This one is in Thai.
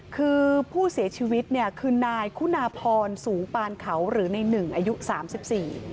คือผู้เสียชีวิตเนี่ยคือนายคุณาพรสูงปานเขาหรือในหนึ่งอายุสามสิบสี่